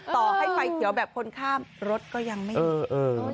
ต่อให้ไฟเขียวแบบคนข้ามรถก็ยังไม่เจอ